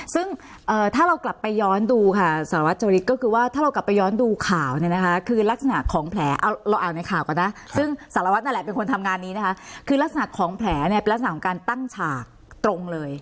ซึ่งถ้าเรากลับไปย้อนดูค่ะสารวัตรจริตก็คือว่าถ้าเรากลับไปย้อนดูข่าวเนี่ยนะคะคือลักษณะของแผลเอาเราอ่านในข่าวก่อนนะซึ่งสารวัตรนั่นแหละเป็นคนทำงานนี้นะคะคือลักษณะของแผลเนี่ยเป็นลักษณะของการตั้งฉากตรงเลย